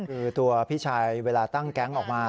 คือตัวพี่ชายเวลาตั้งแก๊งออกมา